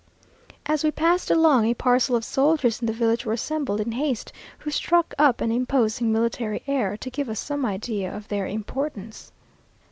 As we passed along, a parcel of soldiers in the village were assembled in haste, who struck up an imposing military air, to give us some idea of their importance.